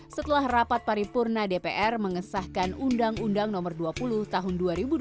setelah rapat paripurna dpr mengesahkan undang undang no dua puluh tahun dua ribu dua puluh